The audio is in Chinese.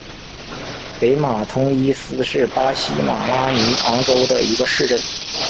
北马通伊斯是巴西马拉尼昂州的一个市镇。